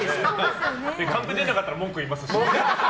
カンペ出なかったら文句言いますしね。